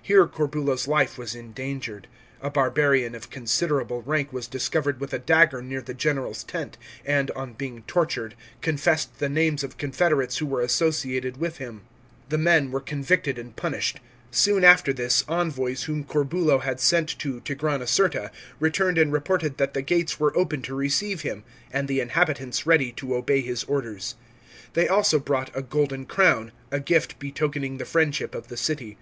Here Corbulo's life was endangered. A barbarian of considerable rank was discovered with a dagger near the general's tent, and, on being tortured, confessed the names of confederates who were associated with him. The men were convicted and punished. Soon after this, envo> s whom Corbulo had sent to Tigranocerta returned and reported that the gates were * Fttrneaux, Tacitus, ii. 114. 316 THE WARS FOR ARMENIA CHAP, xvm open to receive him, and the inhabitants ready to obey his orders. They also brought a golden crown, a gift betokening the friendship of the city.